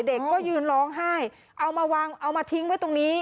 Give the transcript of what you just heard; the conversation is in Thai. เด็กก็ยืนร้องไห้เอามาทิ้งไว้ตรงนี้